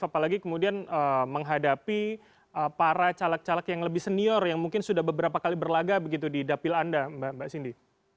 apalagi kemudian menghadapi para caleg caleg yang lebih senior yang mungkin sudah beberapa kali berlaga begitu di dapil anda mbak cindy